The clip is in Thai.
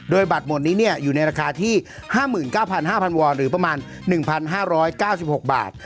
โดยบัตรหมดนี้อยู่ในราคาที่๕๙๕๐๐วอนหรือประมาณ๑๕๙๖บาท